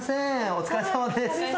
お疲れさまです。